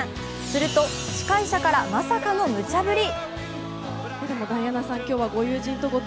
すると司会者からまさかのむちゃぶり。